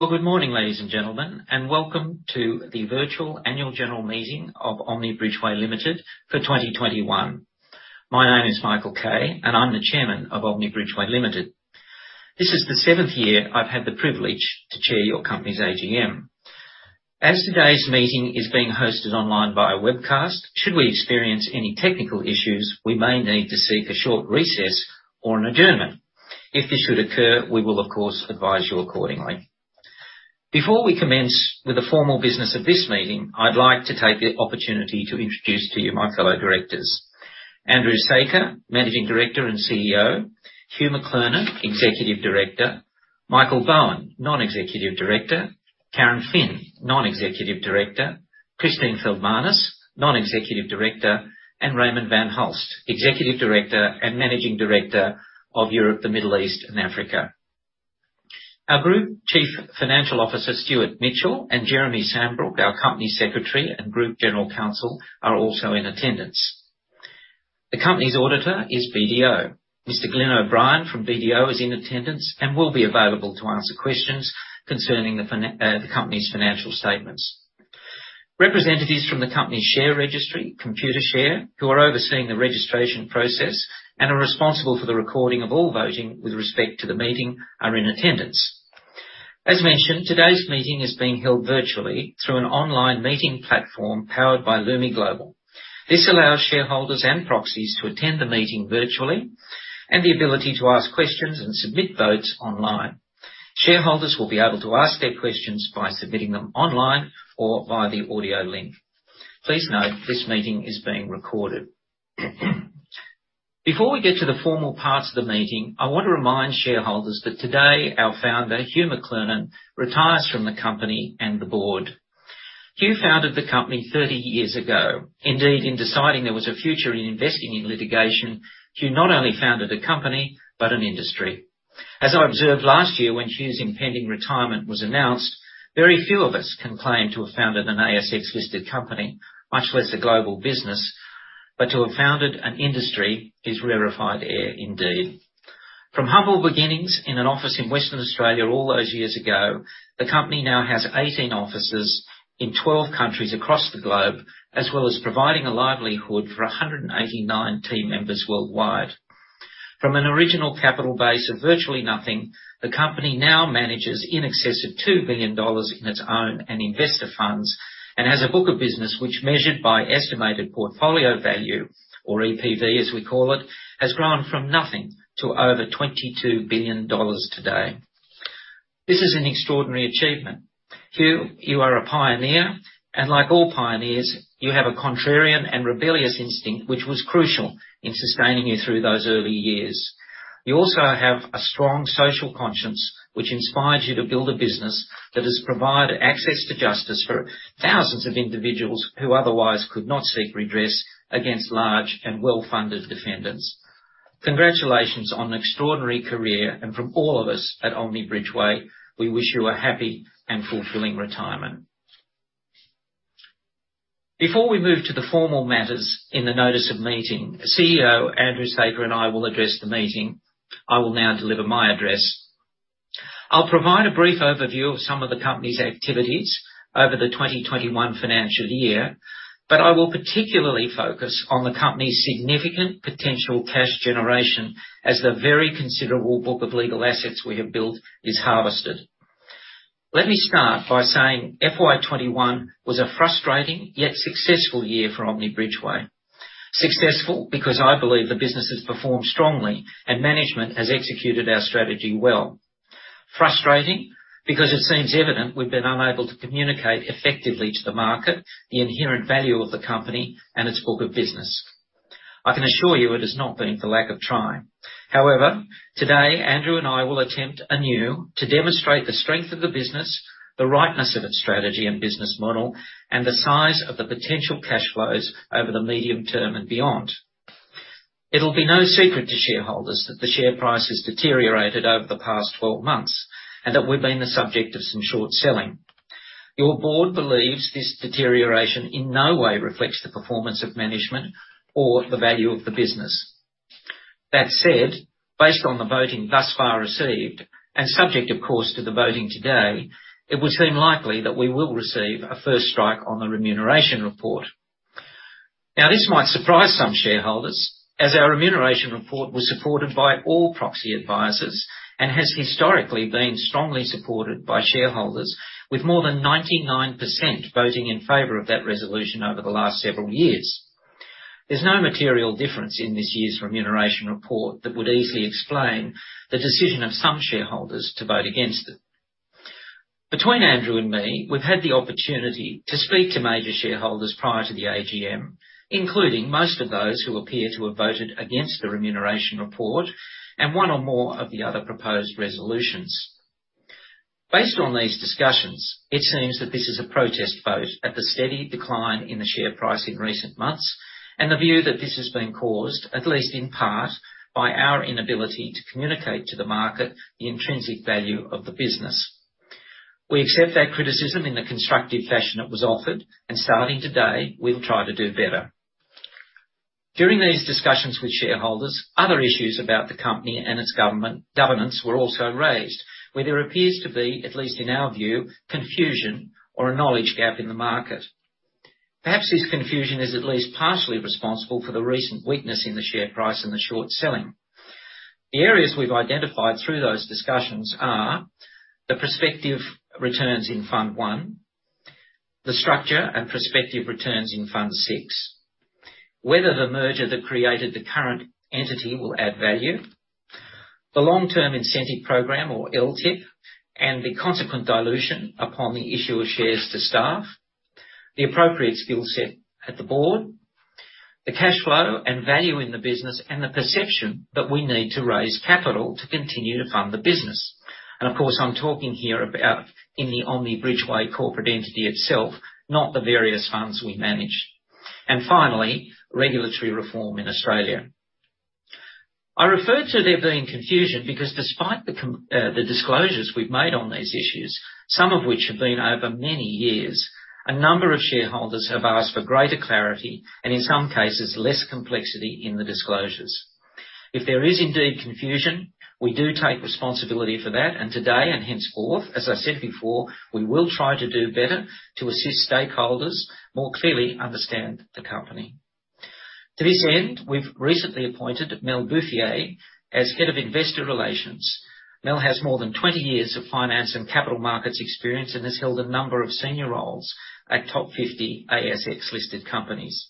Well, good morning, ladies and gentlemen, and welcome to the virtual annual general meeting of Omni Bridgeway Limited for 2021. My name is Michael Kay and I'm the Chairman of Omni Bridgeway Limited. This is the seventh year I've had the privilege to chair your company's AGM. As today's meeting is being hosted online via webcast, should we experience any technical issues, we may need to seek a short recess or an adjournment. If this should occur, we will, of course, advise you accordingly. Before we commence with the formal business of this meeting, I'd like to take the opportunity to introduce to you my fellow directors. Andrew Saker, Managing Director and CEO. Hugh McLernon, Executive Director. Michael Bowen, Non-Executive Director. Karen Phin, Non-Executive Director. Christine Feldmanis, Non-Executive Director, and Raymond van Hulst, Executive Director and Managing Director of Europe, the Middle East, and Africa. Our Group Chief Financial Officer, Stuart Mitchell, and Jeremy Sambrook, our Company Secretary and Group General Counsel, are also in attendance. The company's auditor is BDO. Mr. Glen O'Brien from BDO is in attendance and will be available to answer questions concerning the company's financial statements. Representatives from the company's share registry, Computershare, who are overseeing the registration process and are responsible for the recording of all voting with respect to the meeting, are in attendance. As mentioned, today's meeting is being held virtually through an online meeting platform powered by Lumi Global. This allows shareholders and proxies to attend the meeting virtually, and the ability to ask questions and submit votes online. Shareholders will be able to ask their questions by submitting them online or via the audio link. Please note this meeting is being recorded. Before we get to the formal parts of the meeting, I want to remind shareholders that today our founder, Hugh McLernon, retires from the company and the board. Hugh founded the company 30 years ago. Indeed, in deciding there was a future in investing in litigation, Hugh not only founded a company, but an industry. As I observed last year when Hugh's impending retirement was announced, very few of us can claim to have founded an ASX-listed company, much less a global business. To have founded an industry is rarefied air indeed. From humble beginnings in an office in Western Australia all those years ago, the company now has 18 offices in 12 countries across the globe, as well as providing a livelihood for 189 team members worldwide. From an original capital base of virtually nothing, the company now manages in excess of 2 billion dollars in its own and investor funds, and has a book of business which, measured by estimated portfolio value, or EPV, as we call it, has grown from nothing to over 22 billion dollars today. This is an extraordinary achievement. Hugh, you are a pioneer, and like all pioneers, you have a contrarian and rebellious instinct, which was crucial in sustaining you through those early years. You also have a strong social conscience, which inspired you to build a business that has provided access to justice for thousands of individuals who otherwise could not seek redress against large and well-funded defendants. Congratulations on an extraordinary career. From all of us at Omni Bridgeway, we wish you a happy and fulfilling retirement. Before we move to the formal matters in the notice of meeting, the CEO, Andrew Saker, and I will address the meeting. I will now deliver my address. I'll provide a brief overview of some of the company's activities over the 2021 financial year, but I will particularly focus on the company's significant potential cash generation as the very considerable book of legal assets we have built is harvested. Let me start by saying FY 2021 was a frustrating yet successful year for Omni Bridgeway. Successful, because I believe the business has performed strongly and management has executed our strategy well. Frustrating, because it seems evident we've been unable to communicate effectively to the market the inherent value of the company and its book of business. I can assure you it has not been for lack of trying. However, today, Andrew and I will attempt anew to demonstrate the strength of the business, the rightness of its strategy and business model, and the size of the potential cash flows over the medium term and beyond. It'll be no secret to shareholders that the share price has deteriorated over the past 12 months and that we've been the subject of some short selling. Your board believes this deterioration in no way reflects the performance of management or the value of the business. That said, based on the voting thus far received, and subject, of course, to the voting today, it would seem likely that we will receive a first strike on the remuneration report. Now, this might surprise some shareholders, as our remuneration report was supported by all proxy advisors and has historically been strongly supported by shareholders with more than 99% voting in favor of that resolution over the last several years. There's no material difference in this year's remuneration report that would easily explain the decision of some shareholders to vote against it. Between Andrew and me, we've had the opportunity to speak to major shareholders prior to the AGM, including most of those who appear to have voted against the remuneration report and one or more of the other proposed resolutions. Based on these discussions, it seems that this is a protest vote at the steady decline in the share price in recent months and the view that this has been caused, at least in part, by our inability to communicate to the market the intrinsic value of the business. We accept that criticism in the constructive fashion it was offered, and starting today, we'll try to do better. During these discussions with shareholders, other issues about the company and its governance were also raised, where there appears to be, at least in our view, confusion or a knowledge gap in the market. Perhaps this confusion is at least partially responsible for the recent weakness in the share price and the short-selling. The areas we've identified through those discussions are the prospective returns in Fund 1, the structure and prospective returns in Fund six, whether the merger that created the current entity will add value, the Long-Term Incentive Program or LTIP and the consequent dilution upon the issued shares to staff, the appropriate skill set on the board, the cash flow and value in the business and the perception that we need to raise capital to continue to fund the business. Of course, I'm talking here about in the Omni Bridgeway corporate entity itself, not the various funds we manage. Finally, regulatory reform in Australia. I refer to there being confusion because despite the disclosures we've made on these issues, some of which have been over many years, a number of shareholders have asked for greater clarity, and in some cases, less complexity in the disclosures. If there is indeed confusion, we do take responsibility for that. Today, and henceforth, as I said before, we will try to do better to assist stakeholders more clearly understand the company. To this end, we've recently appointed Mel Buffier as Head of Investor Relations. Mel has more than 20 years of finance and capital markets experience and has held a number of senior roles at top 50 ASX-listed companies.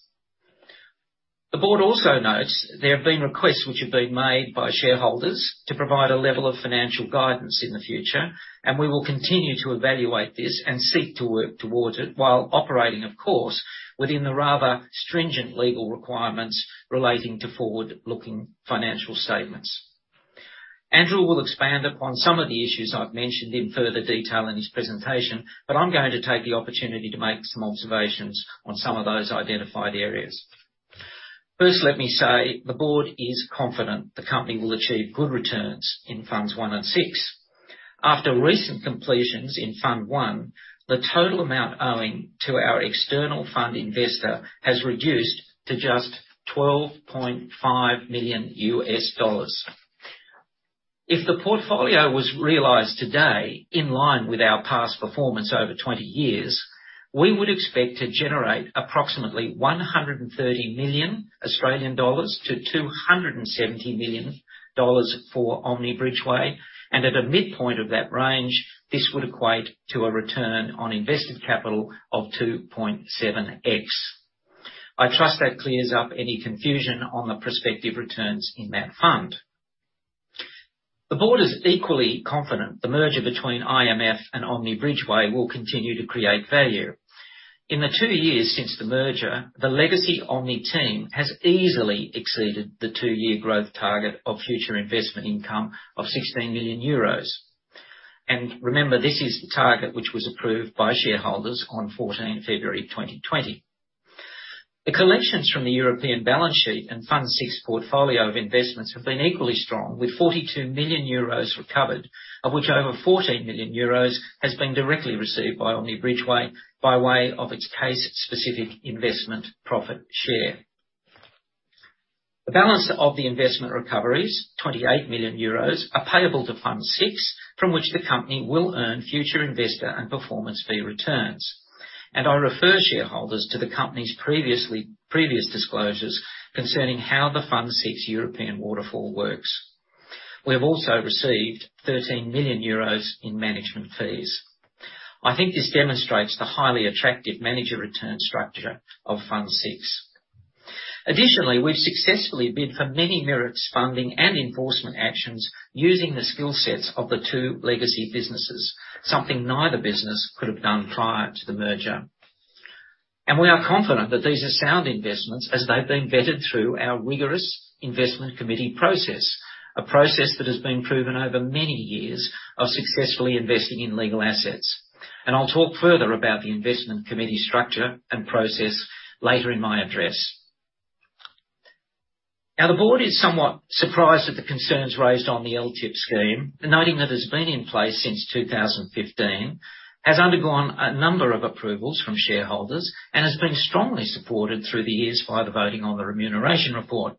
The board also notes there have been requests which have been made by shareholders to provide a level of financial guidance in the future, and we will continue to evaluate this and seek to work towards it while operating, of course, within the rather stringent legal requirements relating to forward-looking financial statements. Andrew will expand upon some of the issues I've mentioned in further detail in his presentation, but I'm going to take the opportunity to make some observations on some of those identified areas. First, let me say the board is confident the company will achieve good returns in Funds one and six. After recent completions in Fund one, the total amount owing to our external fund investor has reduced to just $12.5 million. If the portfolio was realized today, in line with our past performance over 20 years, we would expect to generate approximately 130 million-270 million Australian dollars for Omni Bridgeway. At a midpoint of that range, this would equate to a return on invested capital of 2.7x. I trust that clears up any confusion on the prospective returns in that fund. The board is equally confident the merger between IMF and Omni Bridgeway will continue to create value. In the two years since the merger, the legacy Omni team has easily exceeded the two-year growth target of future investment income of 16 million euros. Remember, this is the target which was approved by shareholders on 14th February 2020. The collections from the European balance sheet and Fund six portfolio of investments have been equally strong, with 42 million euros recovered, of which over 14 million euros has been directly received by Omni Bridgeway by way of its case-specific investment profit share. The balance of the investment recoveries, 28 million euros, are payable to Fund six, from which the company will earn future investor and performance fee returns. I refer shareholders to the company's previous disclosures concerning how the Fund six European waterfall works. We have also received 13 million euros in management fees. I think this demonstrates the highly attractive manager return structure of Fund Six. Additionally, we've successfully bid for many merits funding and enforcement actions using the skill sets of the two legacy businesses, something neither business could have done prior to the merger. We are confident that these are sound investments as they've been vetted through our rigorous investment committee process, a process that has been proven over many years of successfully investing in legal assets. I'll talk further about the investment committee structure and process later in my address. Now, the board is somewhat surprised at the concerns raised on the LTIP scheme, noting that it's been in place since 2015, has undergone a number of approvals from shareholders, and has been strongly supported through the years via the voting on the remuneration report.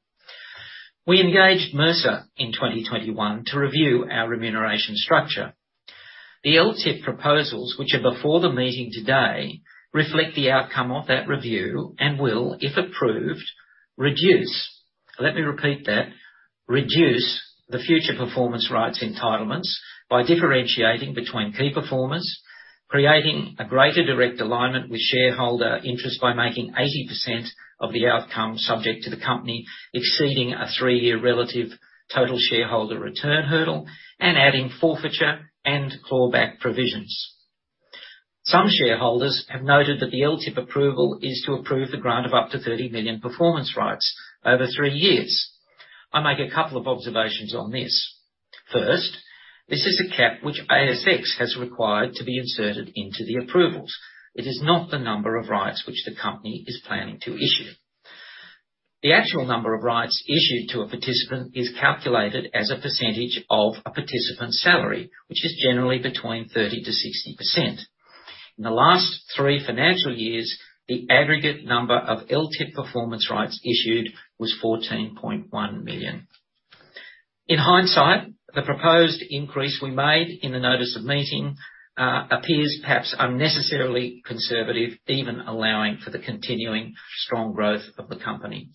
We engaged Mercer in 2021 to review our remuneration structure. The LTIP proposals, which are before the meeting today, reflect the outcome of that review and will, if approved, reduce. Let me repeat that. Reduce the future performance rights entitlements by differentiating between key performers, creating a greater direct alignment with shareholder interest by making 80% of the outcome subject to the company exceeding a three-year relative total shareholder return hurdle, and adding forfeiture and clawback provisions. Some shareholders have noted that the LTIP approval is to approve the grant of up to 30 million performance rights over three years. I'll make a couple of observations on this. First, this is a cap which ASX has required to be inserted into the approvals. It is not the number of rights which the company is planning to issue. The actual number of rights issued to a participant is calculated as a percentage of a participant's salary, which is generally between 30%-60%. In the last three financial years, the aggregate number of LTIP performance rights issued was 14.1 million. In hindsight, the proposed increase we made in the notice of meeting appears perhaps unnecessarily conservative, even allowing for the continuing strong growth of the company.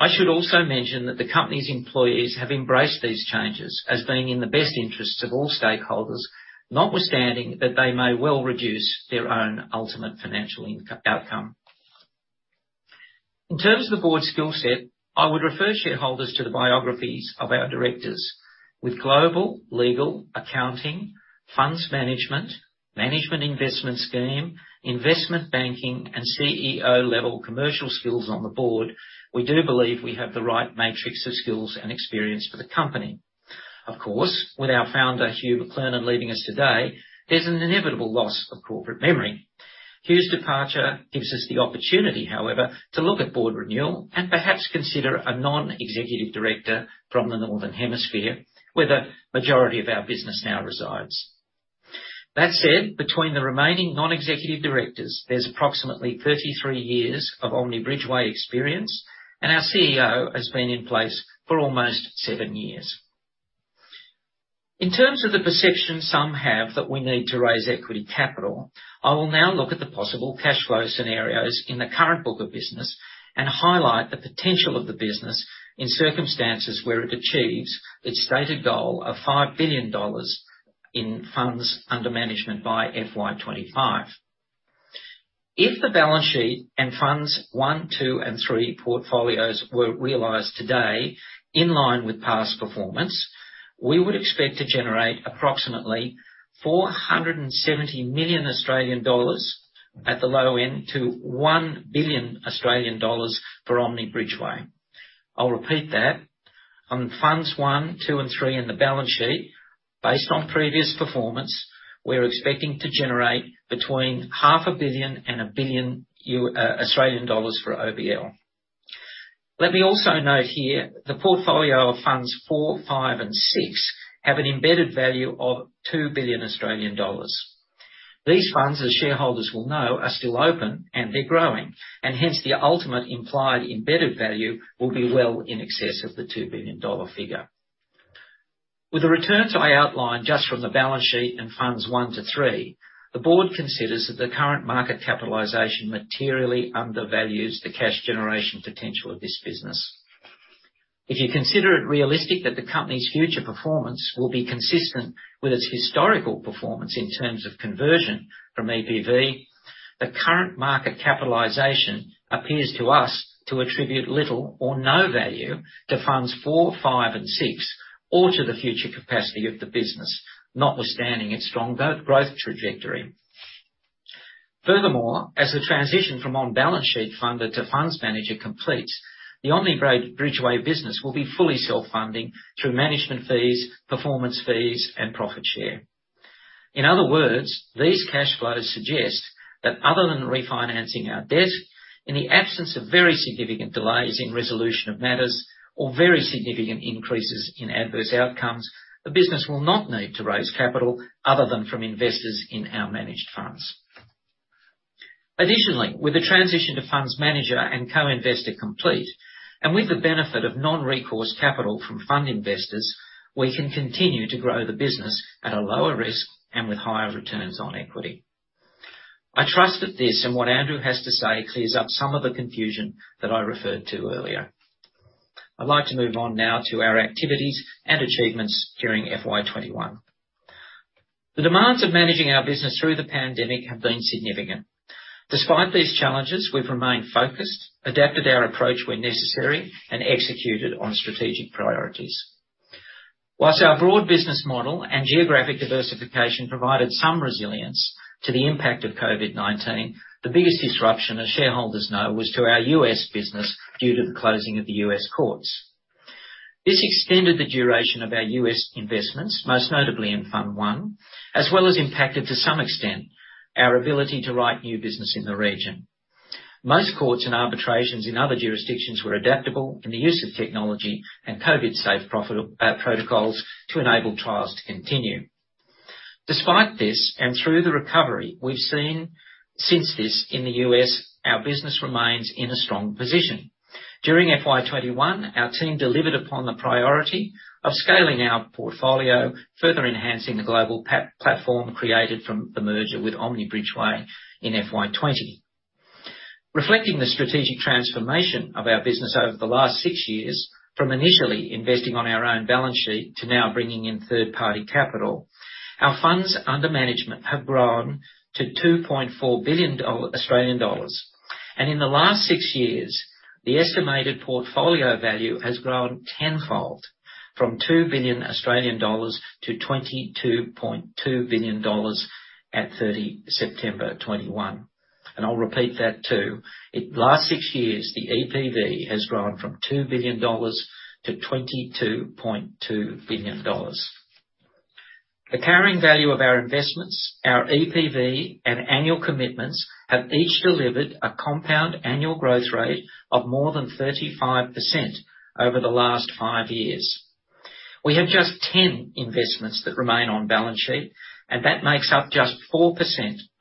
I should also mention that the company's employees have embraced these changes as being in the best interests of all stakeholders, notwithstanding that they may well reduce their own ultimate financial outcome. In terms of the board skillset, I would refer shareholders to the biographies of our directors. With global, legal, accounting, funds management, managed investment scheme, investment banking, and CEO-level commercial skills on the board, we do believe we have the right matrix of skills and experience for the company. Of course, with our founder, Hugh McLernon, leaving us today, there's an inevitable loss of corporate memory. Hugh's departure gives us the opportunity, however, to look at board renewal and perhaps consider a non-executive director from the Northern Hemisphere, where the majority of our business now resides. That said, between the remaining non-executive directors, there's approximately 33 years of Omni Bridgeway experience, and our CEO has been in place for almost seven years. In terms of the perception some have that we need to raise equity capital, I will now look at the possible cash flow scenarios in the current book of business and highlight the potential of the business in circumstances where it achieves its stated goal of 5 billion dollars in funds under management by FY 2025. If the balance sheet and Funds One, Two, and Three portfolios were realized today, in line with past performance, we would expect to generate approximately 470 million Australian dollars at the low end to 1 billion Australian dollars for Omni Bridgeway. I'll repeat that. On Funds One, Two, and Three in the balance sheet, based on previous performance, we're expecting to generate between AUD half a billion and a billion Australian dollars for OBL. Let me also note here, the portfolio of Funds four, five, and six has an embedded value of 2 billion Australian dollars. These funds, as shareholders will know, are still open and they're growing, and hence the ultimate implied embedded value will be well in excess of the 2 billion dollar figure. With the returns I outlined just from the balance sheet and Funds one to three, the board considers that the current market capitalization materially undervalues the cash generation potential of this business. If you consider it realistic that the company's future performance will be consistent with its historical performance in terms of conversion from EPV, the current market capitalization appears to us to attribute little or no value to Funds four, five, and six or to the future capacity of the business, notwithstanding its strong growth trajectory. Furthermore, as the transition from on-balance sheet funder to funds manager completes, the Omni Bridgeway business will be fully self-funding through management fees, performance fees, and profit share. In other words, these cash flows suggest that other than refinancing our debt, in the absence of very significant delays in resolution of matters or very significant increases in adverse outcomes, the business will not need to raise capital other than from investors in our managed funds. Additionally, with the transition to funds manager and co-investor complete, and with the benefit of non-recourse capital from fund investors, we can continue to grow the business at a lower risk and with higher returns on equity. I trust that this and what Andrew has to say clears up some of the confusion that I referred to earlier. I'd like to move on now to our activities and achievements during FY 2021. The demands of managing our business through the pandemic have been significant. Despite these challenges, we've remained focused, adapted our approach when necessary, and executed on strategic priorities. While our broad business model and geographic diversification provided some resilience to the impact of COVID-19, the biggest disruption, as shareholders know, was to our U.S. business due to the closing of the U.S. courts. This extended the duration of our U.S. investments, most notably in Fund one, as well as impacted, to some extent, our ability to write new business in the region. Most courts and arbitrations in other jurisdictions were adaptable in the use of technology and COVID-safe protocols to enable trials to continue. Despite this and through the recovery we've seen since then in the U.S., our business remains in a strong position. During FY 2021, our team delivered upon the priority of scaling our portfolio, further enhancing the global platform created from the merger with Omni Bridgeway in FY 2020. Reflecting the strategic transformation of our business over the last six years, from initially investing on our own balance sheet to now bringing in third-party capital, our funds under management have grown to 2.4 billion Australian dollars. In the last six years, the estimated portfolio value has grown tenfold, from 2 billion-22.2 billion Australian dollars at 30 September 2021. I'll repeat that, too. In the last six years, the EPV has grown from 2 billion-22.2 billion dollars. The carrying value of our investments, our EPV, and annual commitments have each delivered a compound annual growth rate of more than 35% over the last five years. We have just 10 investments that remain on balance sheet, and that makes up just 4%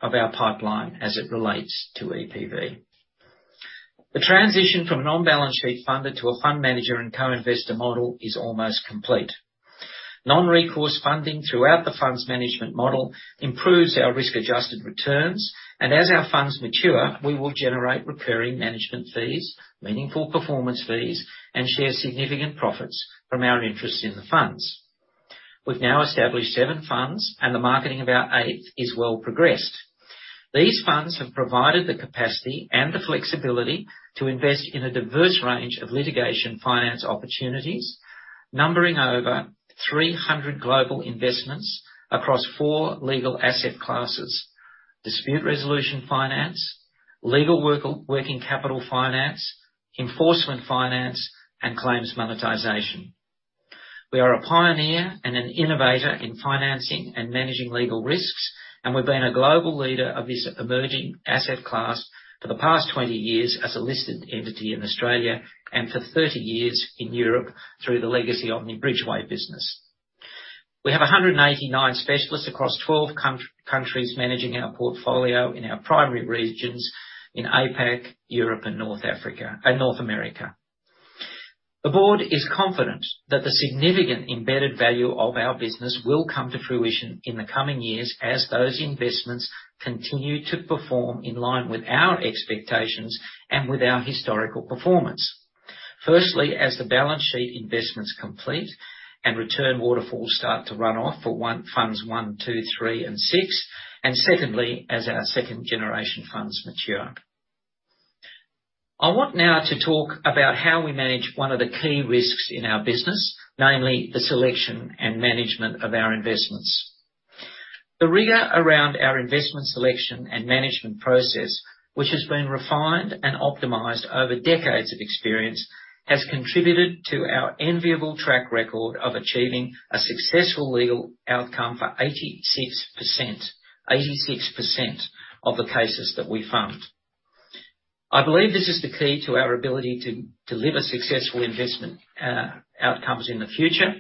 of our pipeline as it relates to EPV. The transition from non-balance sheet funded to a fund manager and co-investor model is almost complete. Non-recourse funding throughout the funds management model improves our risk-adjusted returns, and as our funds mature, we will generate recurring management fees, meaningful performance fees, and share significant profits from our interest in the funds. We've now established seven funds, and the marketing of our eighth is well progressed. These funds have provided the capacity and the flexibility to invest in a diverse range of litigation finance opportunities, numbering over 300 global investments across four legal asset classes, dispute resolution finance, legal working capital finance, enforcement finance, and claims monetization. We are a pioneer and an innovator in financing and managing legal risks, and we've been a global leader of this emerging asset class for the past 20 years as a listed entity in Australia and for 30 years in Europe through the legacy Omni Bridgeway business. We have 189 specialists across 12 countries managing our portfolio in our primary regions in APAC, Europe, and North Africa, and North America. The board is confident that the significant embedded value of our business will come to fruition in the coming years as those investments continue to perform in line with our expectations and with our historical performance. Firstly, as the balance sheet investments complete and return waterfalls start to run off for Funds one, two, three, and six, and secondly, as our second-generation funds mature. I want now to talk about how we manage one of the key risks in our business, namely the selection and management of our investments. The rigor around our investment selection and management process, which has been refined and optimized over decades of experience, has contributed to our enviable track record of achieving a successful legal outcome for 86% of the cases that we fund. I believe this is the key to our ability to deliver successful investment outcomes in the future.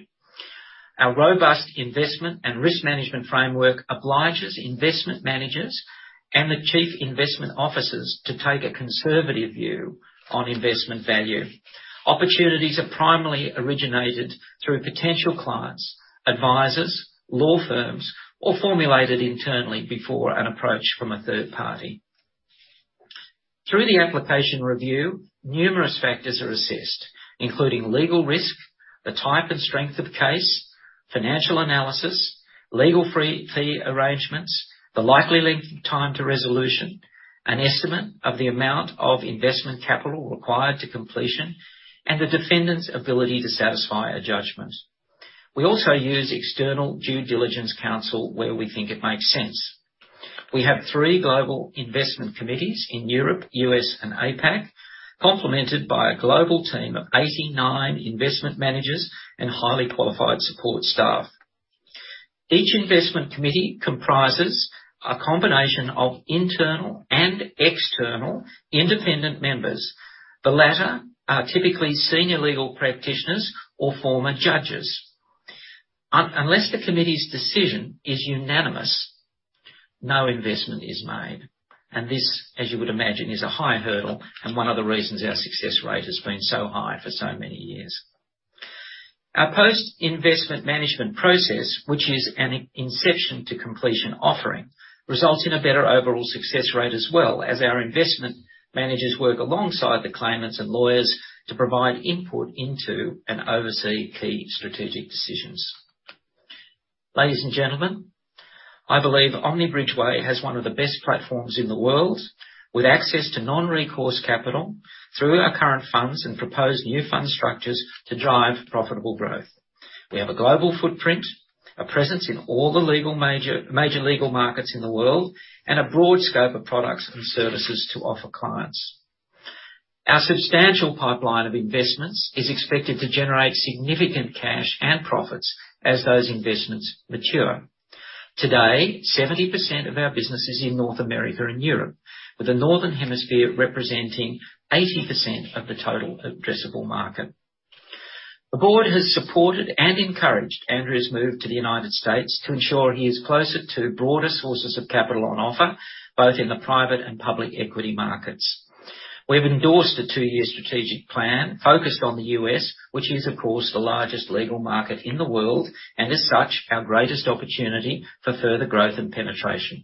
Our robust investment and risk management framework obliges investment managers and the chief investment officers to take a conservative view on investment value. Opportunities are primarily originated through potential clients, advisors, law firms, or formulated internally before an approach from a third party. Through the application review, numerous factors are assessed, including legal risk, the type and strength of case, financial analysis, legal fee arrangements, the likely length of time to resolution, an estimate of the amount of investment capital required to completion, and the defendant's ability to satisfy a judgment. We also use external due diligence counsel where we think it makes sense. We have three global investment committees in Europe, U.S., and APAC, complemented by a global team of 89 investment managers and highly qualified support staff. Each investment committee comprises a combination of internal and external independent members. The latter are typically senior legal practitioners or former judges. Unless the committee's decision is unanimous, no investment is made. This, as you would imagine, is a high hurdle and one of the reasons our success rate has been so high for so many years. Our post-investment management process, which is an inception to completion offering, results in a better overall success rate as well as our investment managers work alongside the claimants and lawyers to provide input into and oversee key strategic decisions. Ladies and gentlemen, I believe Omni Bridgeway has one of the best platforms in the world, with access to non-recourse capital through our current funds and proposed new fund structures to drive profitable growth. We have a global footprint, a presence in all the major legal markets in the world, and a broad scope of products and services to offer clients. Our substantial pipeline of investments is expected to generate significant cash and profits as those investments mature. Today, 70% of our business is in North America and Europe, with the Northern Hemisphere representing 80% of the total addressable market. The board has supported and encouraged Andrew's move to the United States to ensure he is closer to broader sources of capital on offer, both in the private and public equity markets. We've endorsed a two-year strategic plan focused on the U.S., which is, of course, the largest legal market in the world, and as such, our greatest opportunity for further growth and penetration.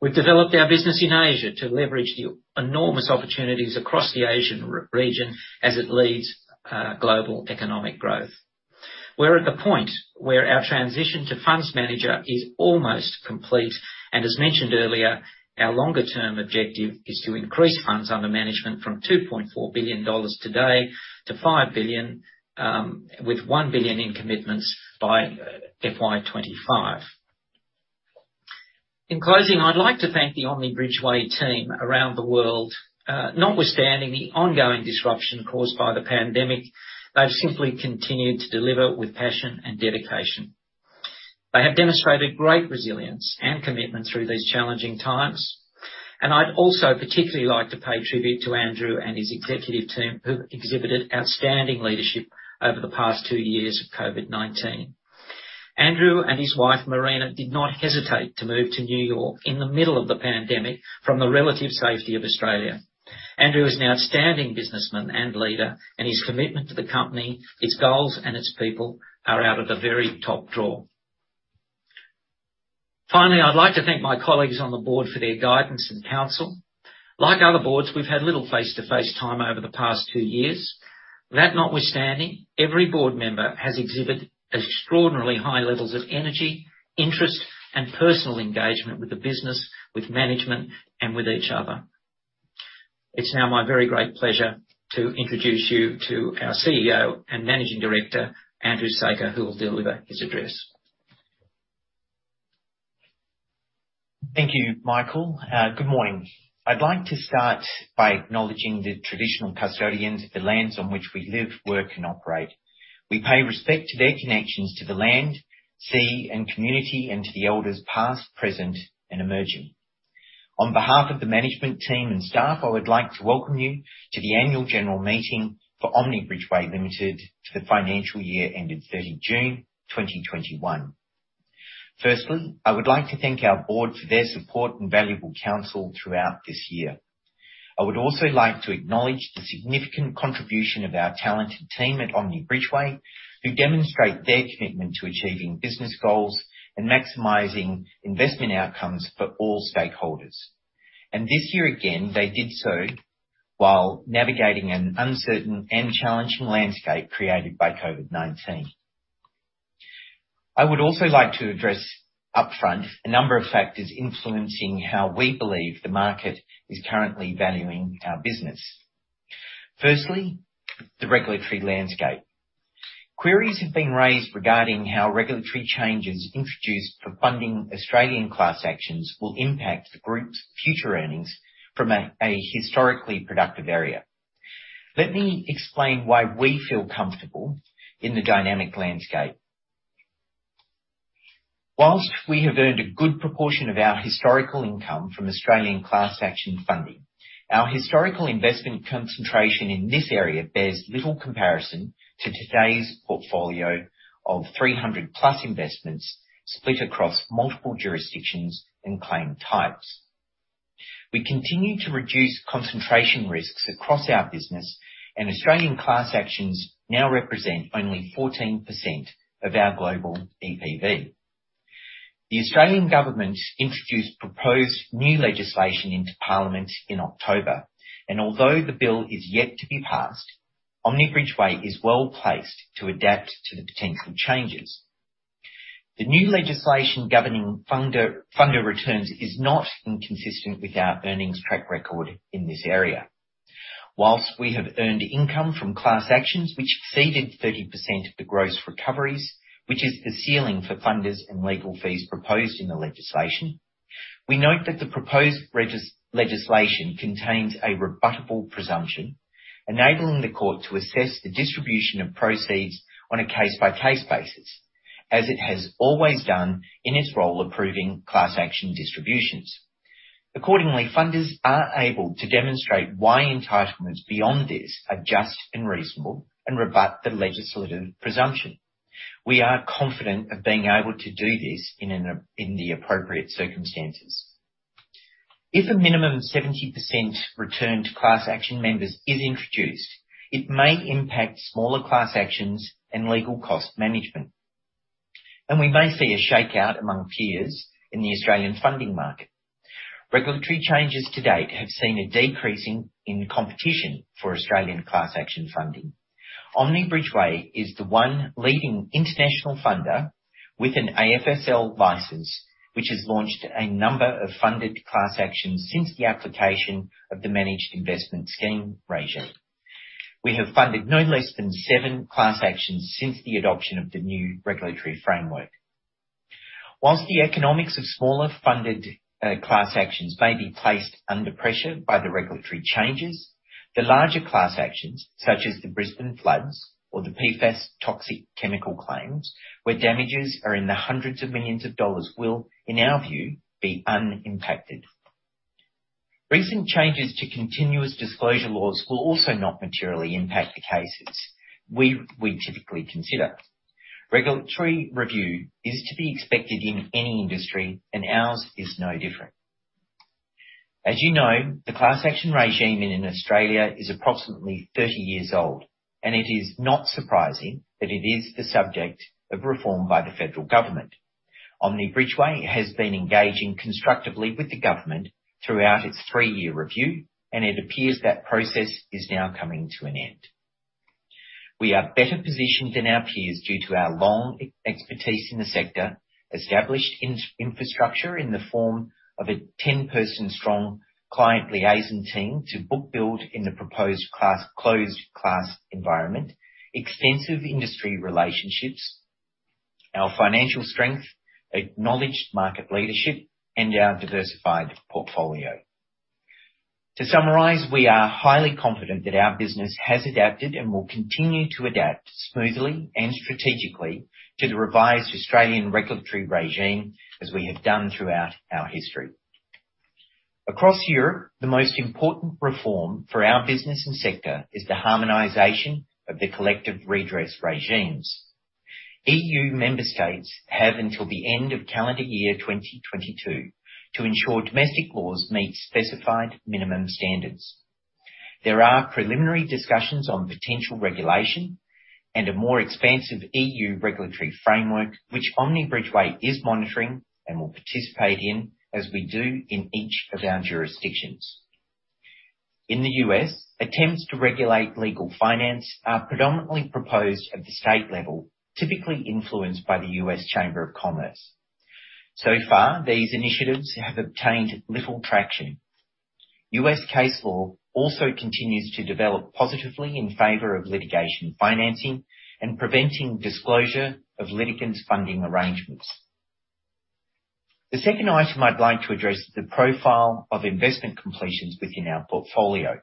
We've developed our business in Asia to leverage the enormous opportunities across the Asian region as it leads global economic growth. We're at the point where our transition to fund manager is almost complete, and as mentioned earlier, our longer-term objective is to increase funds under management from 2.4 billion dollars today to 5 billion with 1 billion in commitments by FY 2025. In closing, I'd like to thank the Omni Bridgeway team around the world. Notwithstanding the ongoing disruption caused by the pandemic, they've simply continued to deliver with passion and dedication. They have demonstrated great resilience and commitment through these challenging times. I'd also particularly like to pay tribute to Andrew and his executive team, who've exhibited outstanding leadership over the past two years of COVID-19. Andrew and his wife, Marina, did not hesitate to move to New York in the middle of the pandemic from the relative safety of Australia. Andrew is an outstanding businessman and leader, and his commitment to the company, its goals, and its people are out of the very top drawer. Finally, I'd like to thank my colleagues on the board for their guidance and counsel. Like other boards, we've had little face-to-face time over the past two years. That notwithstanding, every board member has exhibited extraordinarily high levels of energy, interest, and personal engagement with the business, with management, and with each other. It's now my very great pleasure to introduce you to our CEO and Managing Director, Andrew Saker, who will deliver his address. Thank you, Michael. Good morning. I'd like to start by acknowledging the traditional custodians of the lands on which we live, work, and operate. We pay respect to their connections to the land, sea, and community, and to the elders past, present, and emerging. On behalf of the management team and staff, I would like to welcome you to the annual general meeting for Omni Bridgeway Limited to the financial year ending 30 June 2021. Firstly, I would like to thank our board for their support and valuable counsel throughout this year. I would also like to acknowledge the significant contribution of our talented team at Omni Bridgeway, who demonstrate their commitment to achieving business goals and maximizing investment outcomes for all stakeholders. This year, again, they did so while navigating an uncertain and challenging landscape created by COVID-19. I would also like to address upfront a number of factors influencing how we believe the market is currently valuing our business. Firstly, the regulatory landscape. Queries have been raised regarding how regulatory changes introduced for funding Australian class actions will impact the group's future earnings from a historically productive area. Let me explain why we feel comfortable in the dynamic landscape. While we have earned a good proportion of our historical income from Australian class action funding, our historical investment concentration in this area bears little comparison to today's portfolio of 300+ investments split across multiple jurisdictions and claim types. We continue to reduce concentration risks across our business, and Australian class actions now represent only 14% of our global EPV. The Australian government introduced proposed new legislation into Parliament in October, and although the bill is yet to be passed, Omni Bridgeway is well-placed to adapt to the potential changes. The new legislation governing funder returns is not inconsistent with our earnings track record in this area. While we have earned income from class actions which exceeded 30% of the gross recoveries, which is the ceiling for funders and legal fees proposed in the legislation, we note that the proposed legislation contains a rebuttable presumption enabling the court to assess the distribution of proceeds on a case-by-case basis, as it has always done in its role approving class action distributions. Accordingly, funders are able to demonstrate why entitlements beyond this are just and reasonable and rebut the legislative presumption. We are confident of being able to do this in the appropriate circumstances. If a minimum 70% return to class action members is introduced, it may impact smaller class actions and legal cost management, and we may see a shakeout among peers in the Australian funding market. Regulatory changes to date have seen a decrease in competition for Australian class action funding. Omni Bridgeway is the one leading international funder with an AFSL license, which has launched a number of funded class actions since the application of the managed investment scheme regime. We have funded no less than seven class actions since the adoption of the new regulatory framework. While the economics of smaller funded class actions may be placed under pressure by the regulatory changes, the larger class actions, such as the Brisbane floods or the PFAS toxic chemical claims, where damages are in the hundreds of millions of AUD, will, in our view, be unimpacted. Recent changes to continuous disclosure laws will also not materially impact the cases we typically consider. Regulatory review is to be expected in any industry, and ours is no different. As you know, the class action regime in Australia is approximately 30 years old, and it is not surprising that it is the subject of reform by the federal government. Omni Bridgeway has been engaging constructively with the government throughout its 3-year review, and it appears that process is now coming to an end. We are better positioned than our peers due to our long expertise in the sector, established infrastructure in the form of a 10-person strong client liaison team to book build in the proposed class closed class environment, extensive industry relationships, our financial strength, acknowledged market leadership, and our diversified portfolio. To summarize, we are highly confident that our business has adapted and will continue to adapt smoothly and strategically to the revised Australian regulatory regime, as we have done throughout our history. Across Europe, the most important reform for our business and sector is the harmonization of the collective redress regimes. EU member states have until the end of calendar year 2022 to ensure domestic laws meet specified minimum standards. There are preliminary discussions on potential regulation and a more expansive EU regulatory framework, which Omni Bridgeway is monitoring and will participate in, as we do in each of our jurisdictions. In the U.S., attempts to regulate legal finance are predominantly proposed at the state level, typically influenced by the U.S. Chamber of Commerce. So far, these initiatives have obtained little traction. U.S. case law also continues to develop positively in favor of litigation financing and preventing disclosure of litigants' funding arrangements. The second item I'd like to address is the profile of investment completions within our portfolio.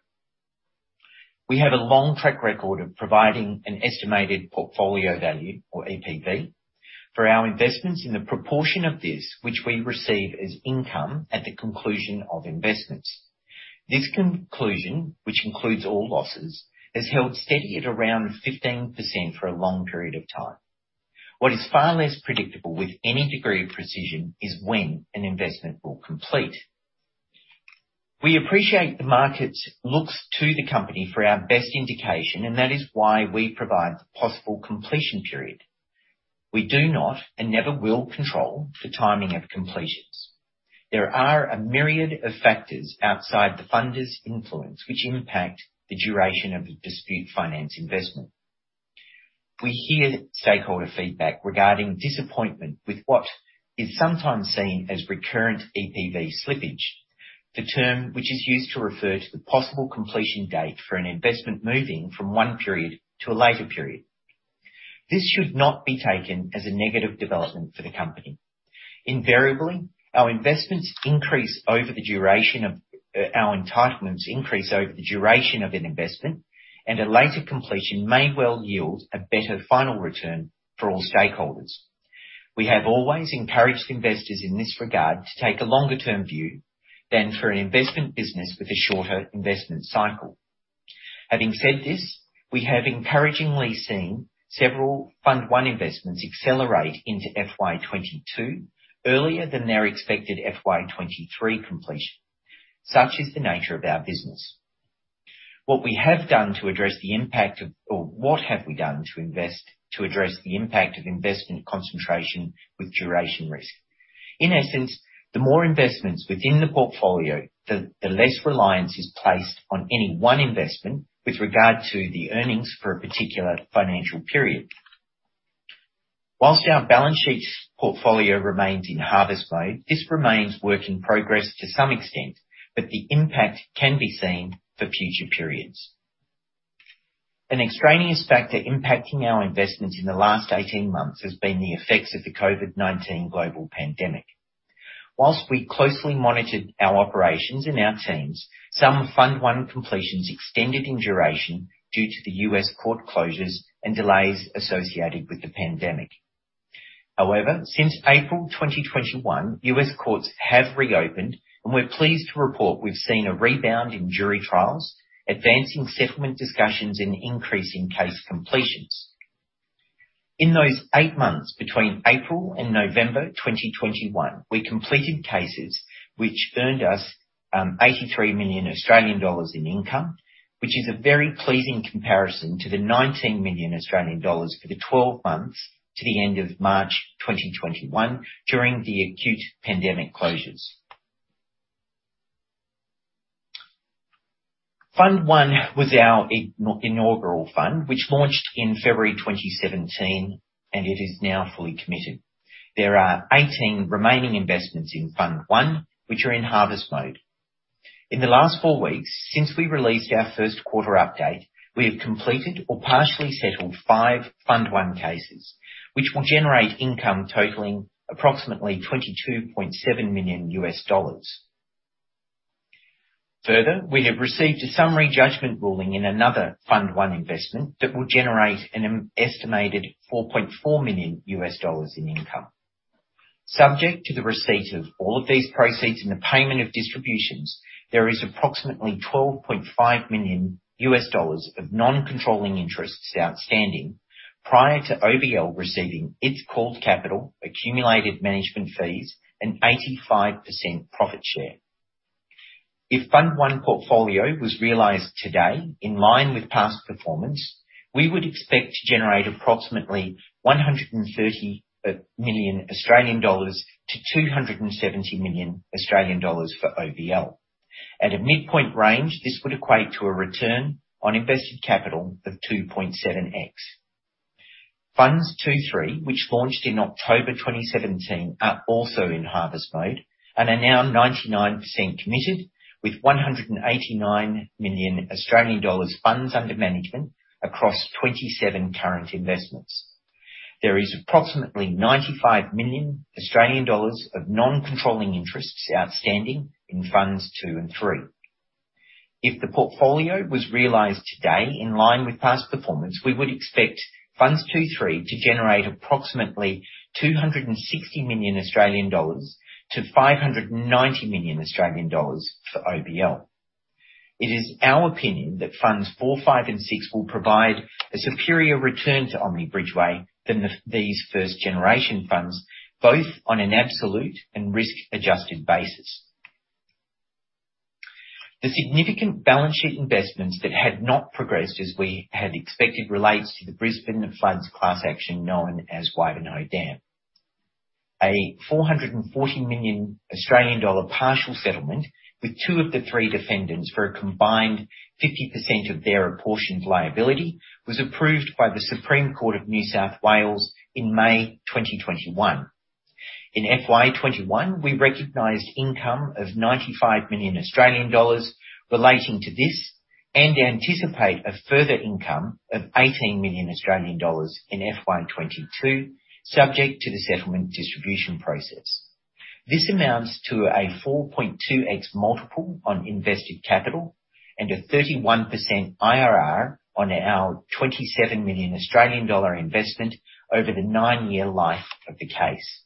We have a long track record of providing an estimated portfolio value, or EPV, for our investments in the proportion of this which we receive as income at the conclusion of investments. This conclusion, which includes all losses, has held steady at around 15% for a long period of time. What is far less predictable with any degree of precision is when an investment will complete. We appreciate the market looks to the company for our best indication, and that is why we provide the possible completion period. We do not and never will control the timing of completions. There are a myriad of factors outside the funder's influence which impact the duration of the dispute finance investment. We hear stakeholder feedback regarding disappointment with what is sometimes seen as recurrent EPV slippage, the term which is used to refer to the possible completion date for an investment moving from one period to a later period. This should not be taken as a negative development for the company. Invariably, our investments increase over the duration of, our entitlements increase over the duration of an investment, and a later completion may well yield a better final return for all stakeholders. We have always encouraged investors in this regard to take a longer-term view than for an investment business with a shorter investment cycle. Having said this, we have encouragingly seen several Fund one investments accelerate into FY 2022 earlier than their expected FY 2023 completion. Such is the nature of our business. What have we done to invest to address the impact of investment concentration with duration risk? In essence, the more investments within the portfolio, the less reliance is placed on any one investment with regard to the earnings for a particular financial period. While our balance sheet's portfolio remains in harvest mode, this remains work in progress to some extent, but the impact can be seen for future periods. An extraneous factor impacting our investments in the last 18 months has been the effects of the COVID-19 global pandemic. While we closely monitored our operations and our teams, some Fund 1 completions extended in duration due to the U.S. court closures and delays associated with the pandemic. However, since April 2021, U.S. courts have reopened, and we're pleased to report we've seen a rebound in jury trials, advancing settlement discussions, and an increase in case completions. In those eight months between April and November 2021, we completed cases which earned us 83 million Australian dollars in income, which is a very pleasing comparison to the 19 million Australian dollars for the 12 months to the end of March 2021 during the acute pandemic closures. Fund one was our inaugural fund, which launched in February 2017, and it is now fully committed. There are 18 remaining investments in Fund 1, which are in harvest mode. In the last four weeks, since we released our first quarter update, we have completed or partially settled five Fund one cases, which will generate income totaling approximately $22.7 million. Further, we have received a summary judgment ruling in another Fund one investment that will generate an estimated $4.4 million in income. Subject to the receipt of all of these proceeds and the payment of distributions, there is approximately $12.5 million of non-controlling interests outstanding prior to OBL receiving its called capital, accumulated management fees, and 85% profit share. If Fund 1 portfolio was realized today in line with past performance, we would expect to generate approximately 130 million-270 million Australian dollars for OBL. At a midpoint range, this would equate to a return on invested capital of 2.7x. Funds 2 and 3, which launched in October 2017, are also in harvest mode and are now 99% committed with 189 million Australian dollars funds under management across 27 current investments. There is approximately 95 million Australian dollars of non-controlling interests outstanding in Funds two and three. If the portfolio was realized today in line with past performance, we would expect Funds two and three to generate approximately 260 million-590 million Australian dollars for OBL. It is our opinion that Funds four, five, and six will provide a superior return to Omni Bridgeway than these first generation funds, both on an absolute and risk-adjusted basis. The significant balance sheet investments that had not progressed as we had expected relates to the Brisbane floods class action known as Wivenhoe Dam. A 440 million Australian dollar partial settlement with two of the three defendants for a combined 50% of their apportioned liability was approved by the Supreme Court of New South Wales in May 2021. In FY 2021, we recognized income of 95 million Australian dollars relating to this, and anticipate a further income of 18 million Australian dollars in FY 2022 subject to the settlement distribution process. This amounts to a 4.2x multiple on invested capital and a 31% IRR on our 27 million Australian dollar investment over the nine-year life of the case.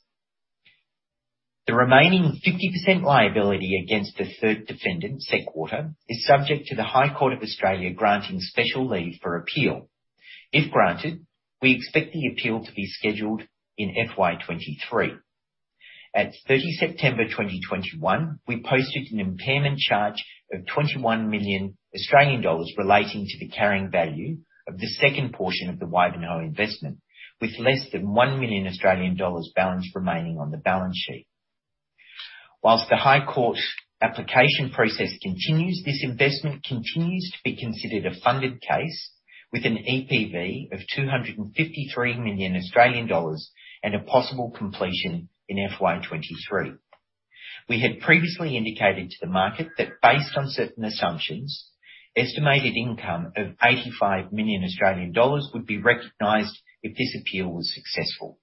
The remaining 50% liability against the third defendant, Seqwater, is subject to the High Court of Australia granting special leave for appeal. If granted, we expect the appeal to be scheduled in FY 2023. At 30 September 2021, we posted an impairment charge of 21 million Australian dollars relating to the carrying value of the second portion of the Wivenhoe investment, with less than 1 million Australian dollars balance remaining on the balance sheet. While the High Court application process continues, this investment continues to be considered a funded case with an EPV of 253 million Australian dollars and a possible completion in FY 2023. We had previously indicated to the market that based on certain assumptions, estimated income of 85 million Australian dollars would be recognized if this appeal was successful.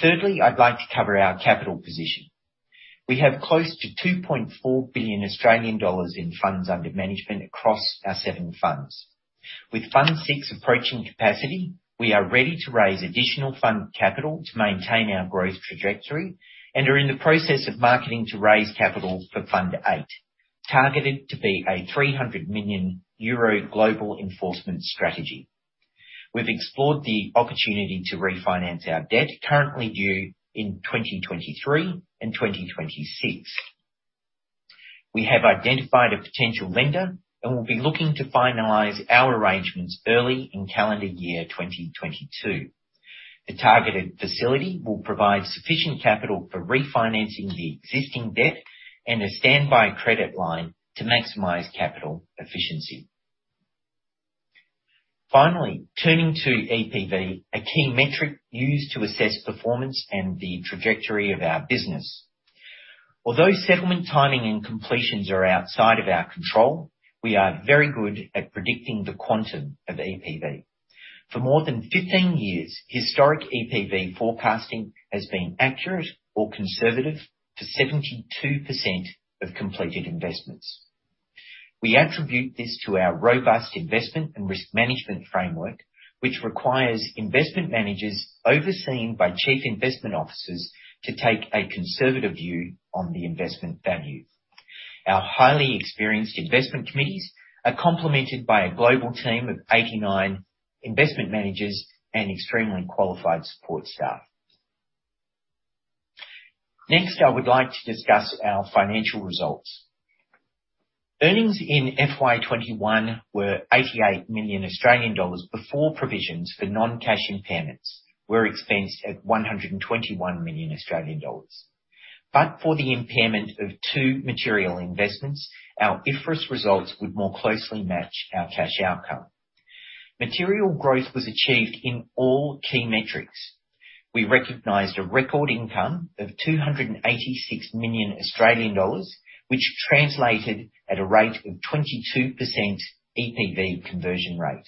Thirdly, I'd like to cover our capital position. We have close to 2.4 billion Australian dollars in funds under management across our seven funds. With Fund six approaching capacity, we are ready to raise additional fund capital to maintain our growth trajectory and are in the process of marketing to raise capital for Fund eight, targeted to be a 300 million euro global enforcement strategy. We've explored the opportunity to refinance our debt currently due in 2023 and 2026. We have identified a potential lender, and we'll be looking to finalize our arrangements early in calendar year 2022. The targeted facility will provide sufficient capital for refinancing the existing debt and a standby credit line to maximize capital efficiency. Finally, turning to EPV, a key metric used to assess performance and the trajectory of our business. Although settlement timing and completions are outside of our control, we are very good at predicting the quantum of EPV. For more than 15 years, historic EPV forecasting has been accurate or conservative to 72% of completed investments. We attribute this to our robust investment and risk management framework, which requires investment managers overseen by chief investment officers to take a conservative view on the investment value. Our highly experienced investment committees are complemented by a global team of 89 investment managers and extremely qualified support staff. Next, I would like to discuss our financial results. Earnings in FY 2021 were 88 million Australian dollars before provisions for non-cash impairments were expensed at 121 million Australian dollars. For the impairment of two material investments, our IFRS results would more closely match our cash outcome. Material growth was achieved in all key metrics. We recognized a record income of 286 million Australian dollars, which translated at a rate of 22% EPV conversion rate.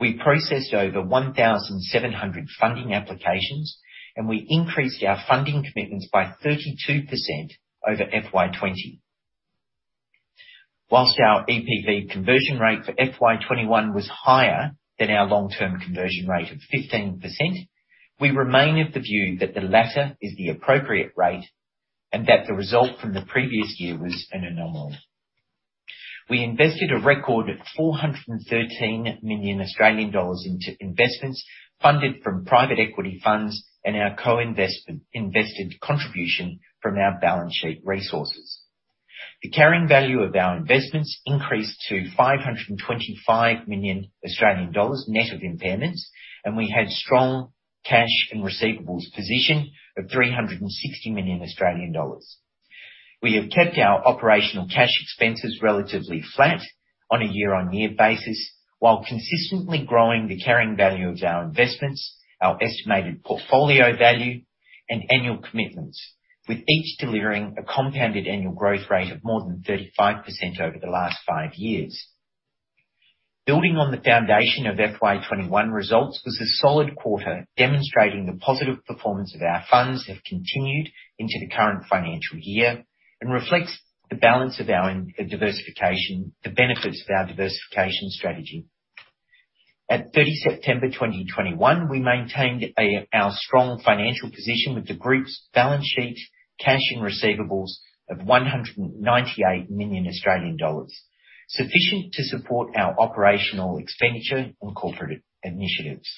We processed over 1,700 funding applications, and we increased our funding commitments by 32% over FY 2020. Whilst our EPV conversion rate for FY 2021 was higher than our long-term conversion rate of 15%, we remain of the view that the latter is the appropriate rate and that the result from the previous year was an anomaly. We invested a record 413 million Australian dollars into investments funded from private equity funds and our co-investment invested contribution from our balance sheet resources. The carrying value of our investments increased to 525 million Australian dollars net of impairments, and we had strong cash and receivables position of 360 million Australian dollars. We have kept our operational cash expenses relatively flat on a year-on-year basis, while consistently growing the carrying value of our investments, our estimated portfolio value and annual commitments, with each delivering a compounded annual growth rate of more than 35% over the last five years. Building on the foundation of FY 2021 results was a solid quarter, demonstrating the positive performance of our funds have continued into the current financial year and reflects the balance of our diversification, the benefits of our diversification strategy. At 30 September 2021, we maintained our strong financial position with the group's balance sheet, cash, and receivables of 198 million Australian dollars, sufficient to support our operational expenditure and corporate initiatives.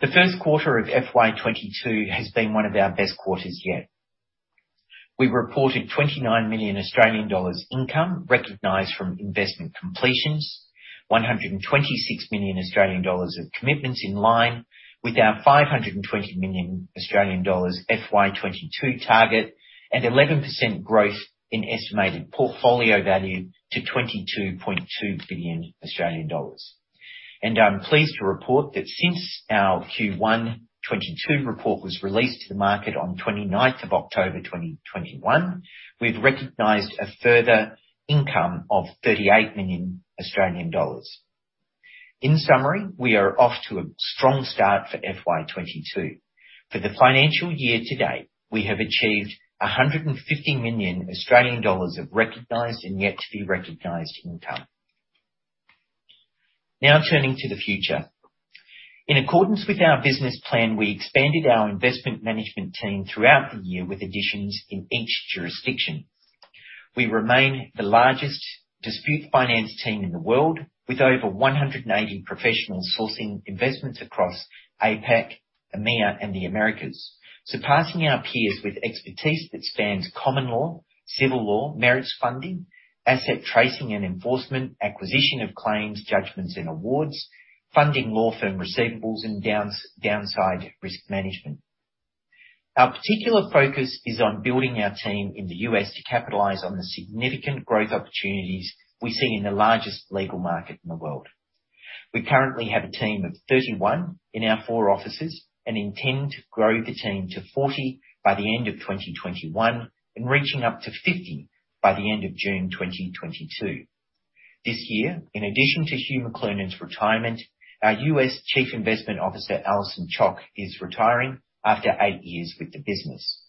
The first quarter of FY 2022 has been one of our best quarters yet. We reported 29 million Australian dollars income recognized from investment completions, 126 million Australian dollars of commitments in line with our 520 million Australian dollars FY 2022 target, and 11% growth in estimated portfolio value to 22.2 billion Australian dollars. I'm pleased to report that since our Q1 2022 report was released to the market on 29th October 2021, we've recognized a further income of 38 million Australian dollars. In summary, we are off to a strong start for FY 2022. For the financial year to date, we have achieved 150 million Australian dollars of recognized and yet to be recognized income. Now turning to the future. In accordance with our business plan, we expanded our investment management team throughout the year with additions in each jurisdiction. We remain the largest dispute finance team in the world, with over 180 professionals sourcing investments across APAC, EMEA, and the Americas, surpassing our peers with expertise that spans common law, civil law, merits funding, asset tracing and enforcement, acquisition of claims, judgments and awards, funding law firm receivables, and downside risk management. Our particular focus is on building our team in the U.S. to capitalize on the significant growth opportunities we see in the largest legal market in the world. We currently have a team of 31 in our four offices and intend to grow the team to 40 by the end of 2021 and reaching up to 50 by the end of June 2022. This year, in addition to Hugh McLernon's retirement, our U.S. Chief Investment Officer, Allison Chock, is retiring after eight years with the business.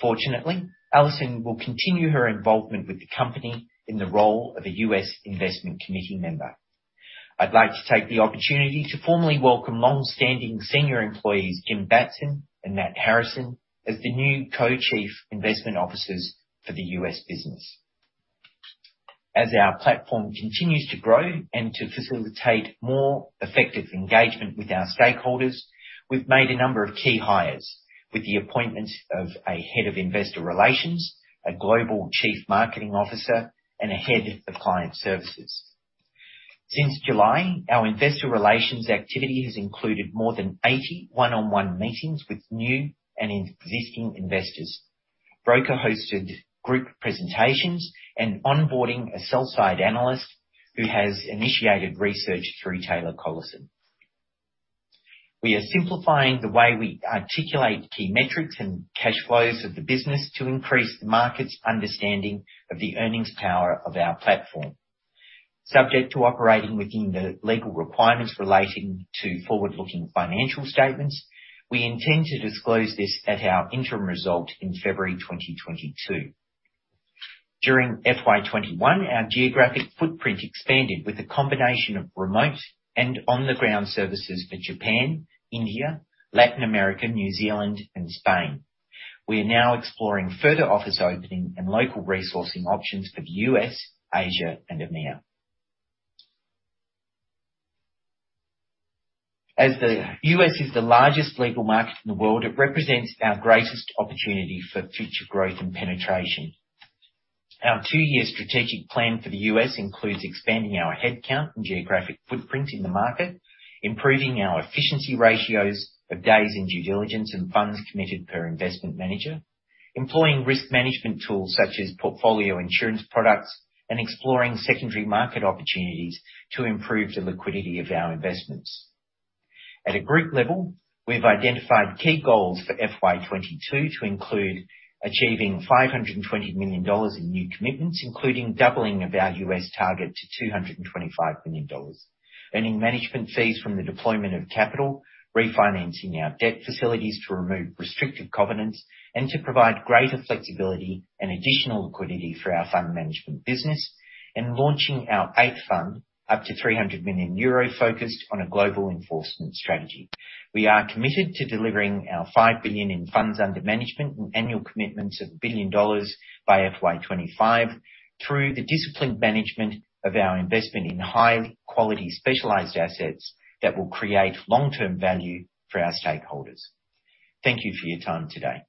Fortunately, Allison will continue her involvement with the company in the role of a U.S. investment committee member. I'd like to take the opportunity to formally welcome long-standing senior employees Jim Batson and Matt Harrison as the new co-Chief Investment Officers for the U.S. business. As our platform continues to grow and to facilitate more effective engagement with our stakeholders, we've made a number of key hires, with the appointment of a head of investor relations, a global chief marketing officer, and a head of client services. Since July, our investor relations activity has included more than 80 one-on-one meetings with new and existing investors. Broker-hosted group presentations and onboarding a sell-side analyst who has initiated research through Taylor Collison. We are simplifying the way we articulate key metrics and cash flows of the business to increase the market's understanding of the earnings power of our platform. Subject to operating within the legal requirements relating to forward-looking financial statements, we intend to disclose this at our interim result in February 2022. During FY 2021, our geographic footprint expanded with a combination of remote and on-the-ground services for Japan, India, Latin America, New Zealand, and Spain. We are now exploring further office opening and local resourcing options for the U.S., Asia and EMEA. As the U.S. is the largest legal market in the world, it represents our greatest opportunity for future growth and penetration. Our two-year strategic plan for the U.S. includes expanding our headcount and geographic footprint in the market, improving our efficiency ratios of days in due diligence and funds committed per investment manager, employing risk management tools such as portfolio insurance products, and exploring secondary market opportunities to improve the liquidity of our investments. At a group level, we've identified key goals for FY 2022 to include achieving $520 million in new commitments, including doubling of our U.S. target to $225 million, earning management fees from the deployment of capital, refinancing our debt facilities to remove restrictive covenants and to provide greater flexibility and additional liquidity for our fund management business, and launching our eighth fund up to 300 million euro focused on a global enforcement strategy. We are committed to delivering our 5 billion in funds under management and annual commitments of 1 billion dollars by FY 2025 through the disciplined management of our investment in high quality specialized assets that will create long-term value for our stakeholders. Thank you for your time today.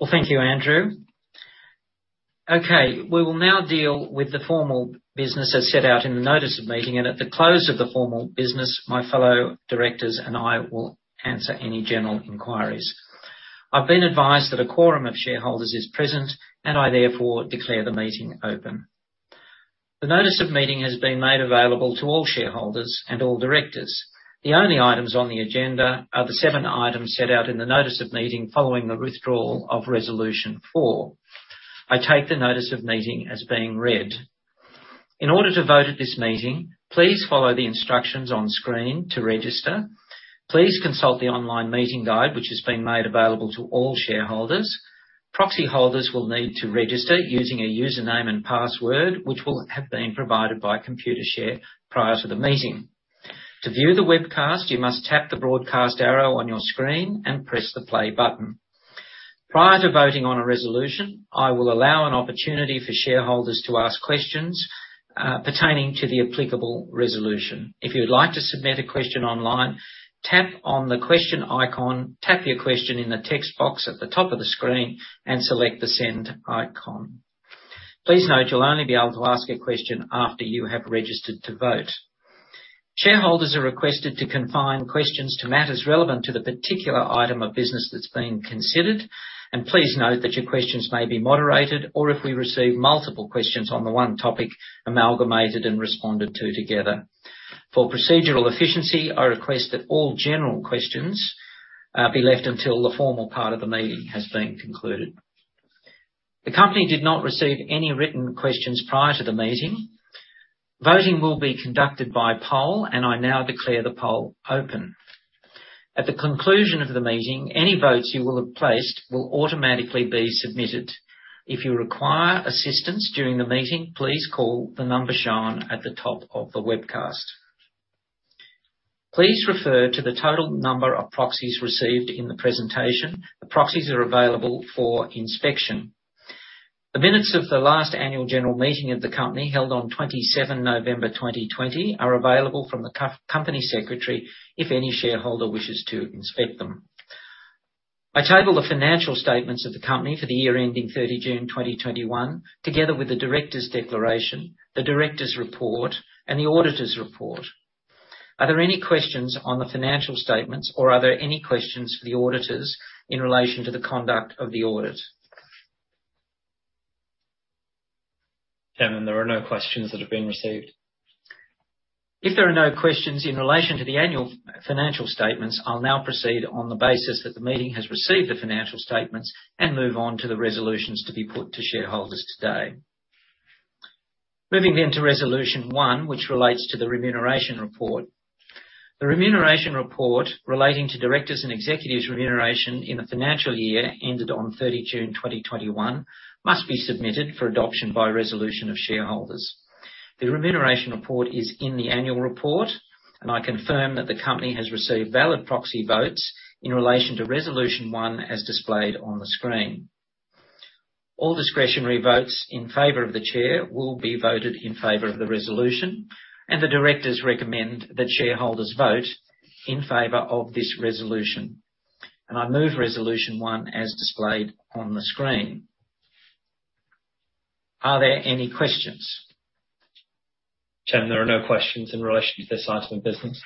Well, thank you, Andrew. Okay, we will now deal with the formal business as set out in the notice of meeting. At the close of the formal business, my fellow directors and I will answer any general inquiries. I've been advised that a quorum of shareholders is present and I therefore declare the meeting open. The notice of meeting has been made available to all shareholders and all directors. The only items on the agenda are the seven items set out in the notice of meeting following the withdrawal of Resolution four. I take the notice of meeting as being read. In order to vote at this meeting, please follow the instructions on screen to register. Please consult the online meeting guide, which has been made available to all shareholders. Proxy holders will need to register using a username and password, which will have been provided by Computershare prior to the meeting. To view the webcast, you must tap the Broadcast arrow on your screen and press the Play button. Prior to voting on a resolution, I will allow an opportunity for shareholders to ask questions pertaining to the applicable resolution. If you'd like to submit a question online, tap on the Question icon, tap your question in the text box at the top of the screen, and select the Send icon. Please note you'll only be able to ask a question after you have registered to vote. Shareholders are requested to confine questions to matters relevant to the particular item of business that's being considered. Please note that your questions may be moderated or, if we receive multiple questions on the one topic, amalgamated and responded to together. For procedural efficiency, I request that all general questions be left until the formal part of the meeting has been concluded. The company did not receive any written questions prior to the meeting. Voting will be conducted by poll, and I now declare the poll open. At the conclusion of the meeting, any votes you will have placed will automatically be submitted. If you require assistance during the meeting, please call the number shown at the top of the webcast. Please refer to the total number of proxies received in the presentation. The proxies are available for inspection. The minutes of the last annual general meeting of the company, held on 27 November 2020, are available from the company secretary if any shareholder wishes to inspect them. I table the financial statements of the company for the year ending 30 June 2021, together with the directors' declaration, the directors' report, and the auditors' report. Are there any questions on the financial statements or are there any questions for the auditors in relation to the conduct of the audit? Chairman, there are no questions that have been received. If there are no questions in relation to the annual financial statements, I'll now proceed on the basis that the meeting has received the financial statements and move on to the resolutions to be put to shareholders today. Moving then to Resolution one, which relates to the remuneration report. The remuneration report relating to directors' and executives' remuneration in the financial year ended on 30 June 2021 must be submitted for adoption by resolution of shareholders. The remuneration report is in the annual report, and I confirm that the company has received valid proxy votes in relation to Resolution one, as displayed on the screen. All discretionary votes in favor of the chair will be voted in favor of the resolution, and the directors recommend that shareholders vote in favor of this resolution. I move Resolution one as displayed on the screen. Are there any questions? Chairman, there are no questions in relation to this item of business.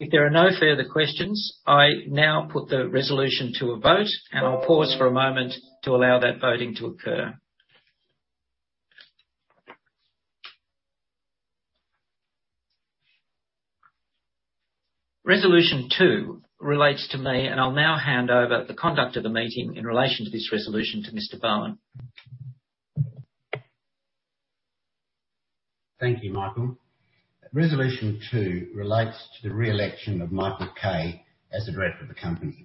If there are no further questions, I now put the resolution to a vote. I'll pause for a moment to allow that voting to occur. Resolution two relates to me, and I'll now hand over the conduct of the meeting in relation to this resolution to Mr. Bowen. Thank you, Michael. Resolution two relates to the re-election of Michael Kay as a director of the company.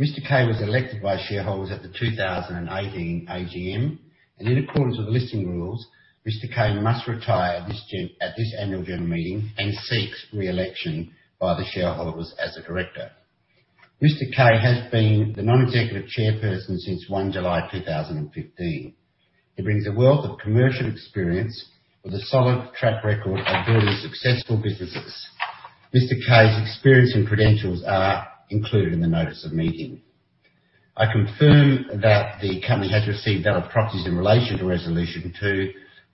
Mr. Kay was elected by shareholders at the 2018 AGM. In accordance with listing rules, Mr. Kay must retire at this annual general meeting and seeks re-election by the shareholders as a director. Mr. Kay has been the Non-Executive Chairperson since 1 July 2015. He brings a wealth of commercial experience with a solid track record of building successful businesses. Mr. Kay's experience and credentials are included in the notice of meeting. I confirm that the company has received valid proxies in relation to Resolution two,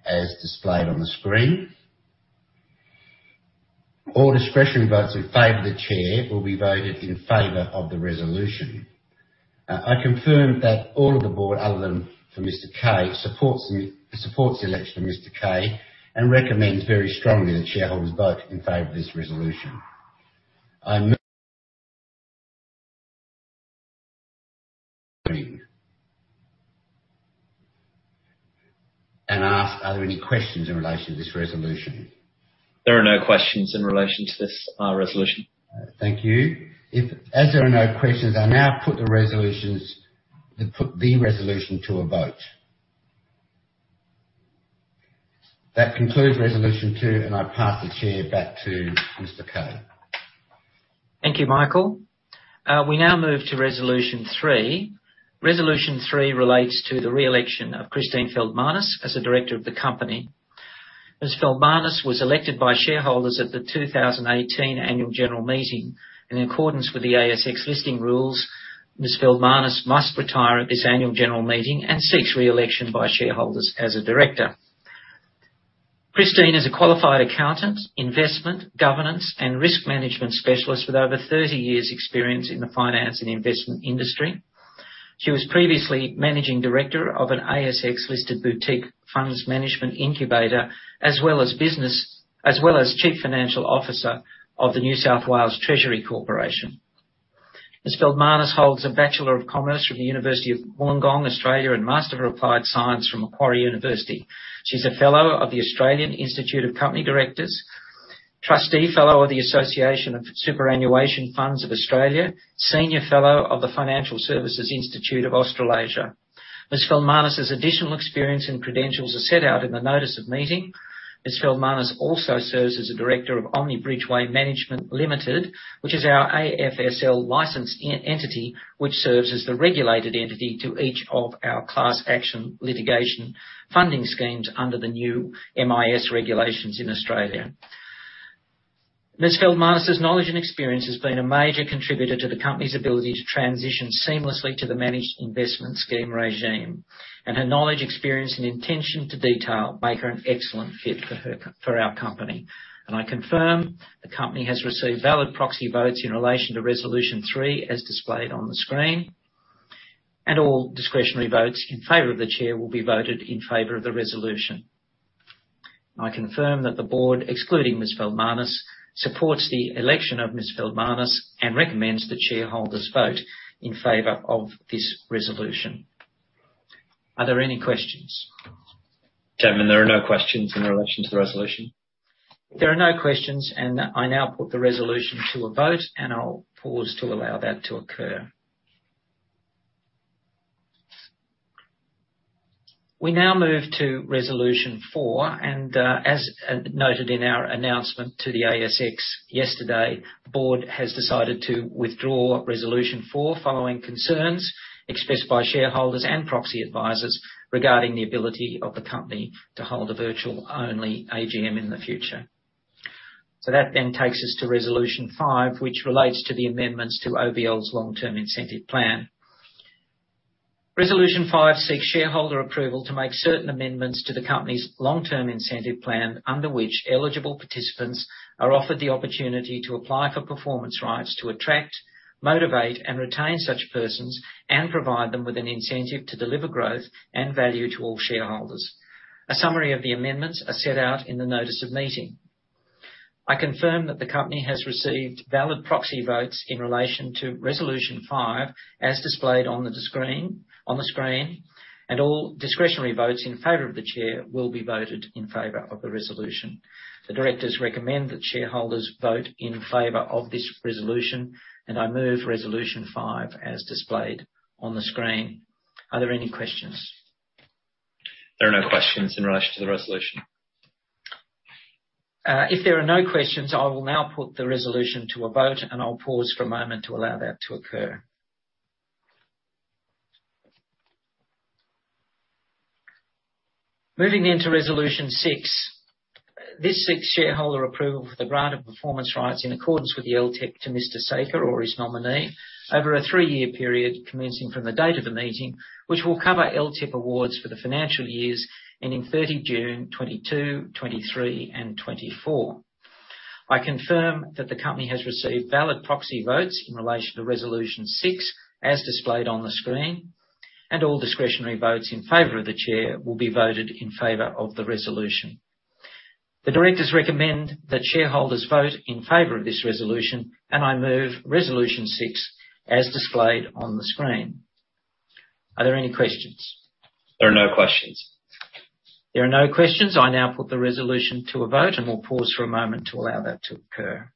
as displayed on the screen. All discretionary votes in favor of the chair will be voted in favor of the resolution. I confirm that all of the board, other than for Mr. Kay supports the election of Mr. Kay and recommends very strongly that shareholders vote in favor of this resolution. I ask, are there any questions in relation to this resolution? There are no questions in relation to this, resolution. Thank you. If as there are no questions, I now put the resolution to a vote. That concludes Resolution 2, and I pass the chair back to Mr. Kay. Thank you, Michael. We now move to Resolution three. Resolution three relates to the re-election of Christine Feldmanis as a director of the company. Ms. Feldmanis was elected by shareholders at the 2018 annual general meeting. In accordance with the ASX listing rules, Ms. Feldmanis must retire at this annual general meeting and seeks re-election by shareholders as a director. Christine is a qualified accountant, investment, governance, and risk management specialist with over 30 years experience in the finance and investment industry. She was previously managing director of an ASX listed boutique funds management incubator, as well as chief financial officer of the New South Wales Treasury Corporation. Ms. Feldmanis holds a Bachelor of Commerce from the University of Wollongong, Australia, and Master of Applied Science from Macquarie University. She's a fellow of the Australian Institute of Company Directors, trustee fellow of the Association of Superannuation Funds of Australia, senior fellow of the Financial Services Institute of Australasia. Ms. Feldmanis' additional experience and credentials are set out in the notice of meeting. Ms. Feldmanis also serves as a director of Omni Bridgeway Management Limited, which is our AFSL licensed entity, which serves as the regulated entity to each of our class action litigation funding schemes under the new MIS regulations in Australia. Ms. Feldmanis' knowledge and experience has been a major contributor to the company's ability to transition seamlessly to the managed investment scheme regime, and her knowledge, experience, and attention to detail make her an excellent fit for our company. I confirm the company has received valid proxy votes in relation to resolution three as displayed on the screen, and all discretionary votes in favor of the chair will be voted in favor of the resolution. I confirm that the board, excluding Ms. Feldmanis, supports the election of Ms. Feldmanis and recommends that shareholders vote in favor of this resolution. Are there any questions? Chairman, there are no questions in relation to the resolution. There are no questions, and I now put the resolution to a vote, and I'll pause to allow that to occur. We now move to resolution four, and as noted in our announcement to the ASX yesterday, the board has decided to withdraw resolution four following concerns expressed by shareholders and proxy advisors regarding the ability of the company to hold a virtual only AGM in the future. That then takes us to resolution five, which relates to the amendments to OBL's long-term incentive plan. Resolution five seeks shareholder approval to make certain amendments to the company's long-term incentive plan, under which eligible participants are offered the opportunity to apply for performance rights to attract, motivate, and retain such persons and provide them with an incentive to deliver growth and value to all shareholders. A summary of the amendments are set out in the notice of meeting. I confirm that the company has received valid proxy votes in relation to resolution five, as displayed on the screen, and all discretionary votes in favor of the chair will be voted in favor of the resolution. The directors recommend that shareholders vote in favor of this resolution, and I move resolution five as displayed on the screen. Are there any questions? There are no questions in relation to the resolution. If there are no questions, I will now put the resolution to a vote, and I'll pause for a moment to allow that to occur. Moving into resolution six. This seeks shareholder approval for the grant of performance rights in accordance with the LTIP to Mr. Saker or his nominee over a three-year period commencing from the date of the meeting, which will cover LTIP awards for the financial years ending 30 June 2022, 2023, and 2024. I confirm that the company has received valid proxy votes in relation to resolution six, as displayed on the screen, and all discretionary votes in favor of the chair will be voted in favor of the resolution. The directors recommend that shareholders vote in favor of this resolution, and I move resolution 6 as displayed on the screen. Are there any questions? There are no questions. There are no questions. I now put the resolution to a vote, and we'll pause for a moment to allow that to occur.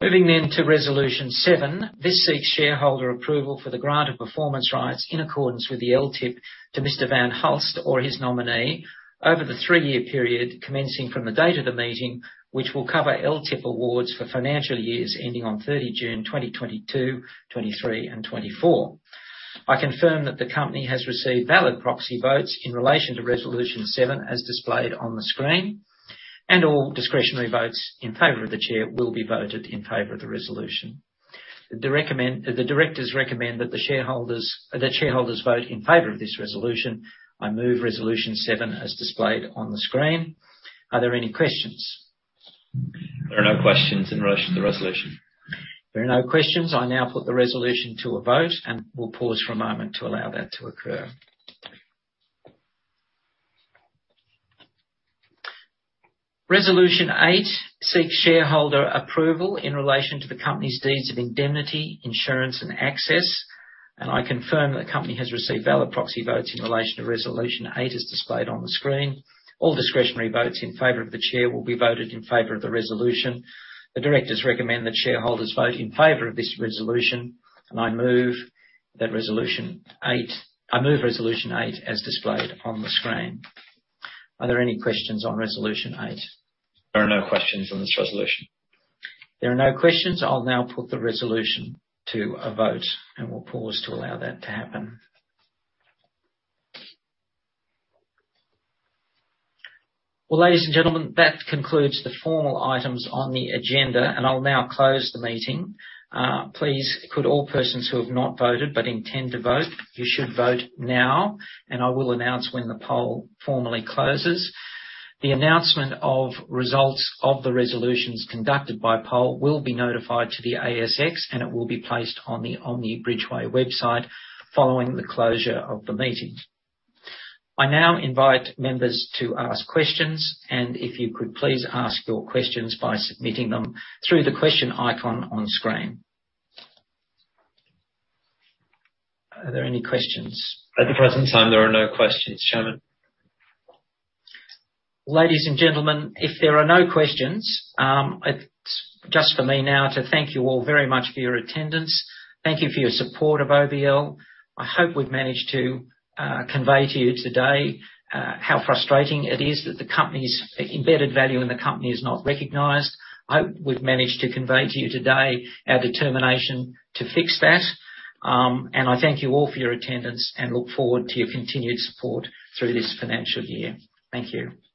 Moving then to resolution seven. This seeks shareholder approval for the grant of performance rights in accordance with the LTIP to Mr. van Hulst or his nominee over the three-year period commencing from the date of the meeting, which will cover LTIP awards for financial years ending on 30 June 2022, 2023, and 2024. I confirm that the company has received valid proxy votes in relation to resolution seven, as displayed on the screen, and all discretionary votes in favor of the chair will be voted in favor of the resolution. The directors recommend that shareholders vote in favor of this resolution. I move resolution seven as displayed on the screen. Are there any questions? There are no questions in relation to the resolution. There are no questions. I now put the resolution to a vote, and we'll pause for a moment to allow that to occur. Resolution eight seeks shareholder approval in relation to the company's deeds of indemnity, insurance, and access. I confirm that the company has received valid proxy votes in relation to resolution eight, as displayed on the screen. All discretionary votes in favor of the chair will be voted in favor of the resolution. The directors recommend that shareholders vote in favor of this resolution, and I move resolution eight as displayed on the screen. Are there any questions on resolution eight? There are no questions on this resolution. There are no questions. I'll now put the resolution to a vote, and we'll pause to allow that to happen. Well, ladies and gentlemen, that concludes the formal items on the agenda, and I'll now close the meeting. Please, could all persons who have not voted but intend to vote, you should vote now, and I will announce when the poll formally closes. The announcement of results of the resolutions conducted by poll will be notified to the ASX, and it will be placed on the Omni Bridgeway website following the closure of the meeting. I now invite members to ask questions, and if you could please ask your questions by submitting them through the question icon on screen. Are there any questions? At the present time, there are no questions, Chairman. Ladies and gentlemen, if there are no questions, it's just for me now to thank you all very much for your attendance. Thank you for your support of OBL. I hope we've managed to convey to you today how frustrating it is that the company's embedded value in the company is not recognized. I hope we've managed to convey to you today our determination to fix that. I thank you all for your attendance and look forward to your continued support through this financial year. Thank you.